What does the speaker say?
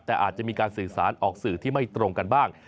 แต่อาจจะมีการสื่อสารออกสื่อที่ไม่ตรงกันบ้าง